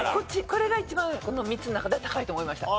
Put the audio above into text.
これが一番この３つの中では高いと思いました。